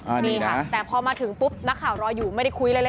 อันนี้ค่ะแต่พอมาถึงปุ๊บนักข่าวรออยู่ไม่ได้คุยอะไรเลย